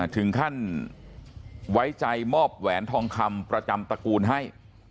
ถึงขั้นไว้ใจมอบแหวนทองคำประจำตระกูลให้